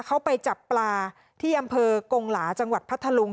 เขาไปจับปลาที่อำเภอกงหลาจังหวัดพัทธลุง